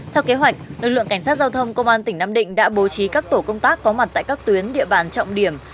theo kế hoạch lực lượng cảnh sát giao thông công an tỉnh nam định đã bố trí các tổ công tác có mặt tại các tuyến địa bàn trọng điểm